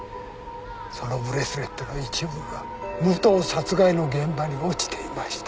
そのブレスレットの一部が武藤殺害の現場に落ちていました。